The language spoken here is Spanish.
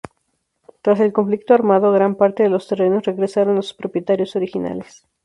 Tras el conflicto armado gran parte de los terrenos regresaron a sus propietarios originales.